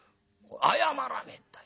謝らねえんだよ。